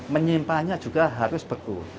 menyimpannya juga harus beku